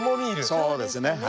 そうですね。